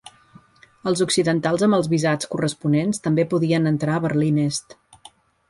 Els occidentals amb els visats corresponents també podien entrar a Berlin Est.